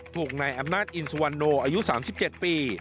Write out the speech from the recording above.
ถูกในอำนาจอินสวันนโนอายุ๓๗ปี